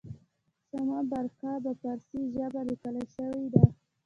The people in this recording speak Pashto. شمه بارقه په پارسي ژبه لیکل شوې ده.